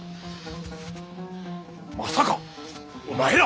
まさかお前ら！？